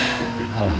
bapak berubah kang